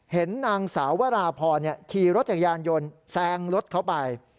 เห็นนางสาววราพรขี่รถจักรยานยนต์แซงรถเขาไป